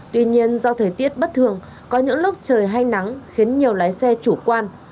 tuy nhiên do thời tiết bất thường có những lúc trời hay nắng khiến nhiều lái xe chủ quan